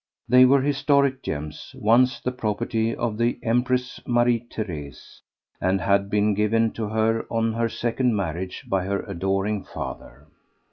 They were historic gems, once the property of the Empress Marie Thérèse, and had been given to her on her second marriage by her adoring father.